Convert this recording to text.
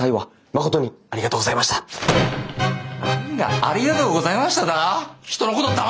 何が「ありがとうございました」だ？